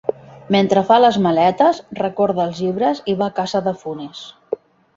Mentre fa les maletes, recorda els llibres i va a casa de Funes.